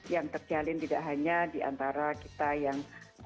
yang terjalin tidak hanya diantara kita yang